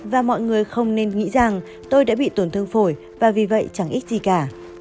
và mọi người không nên nghĩ rằng tôi đã bị tổn thương phổi và vì vậy chẳng ít gì cả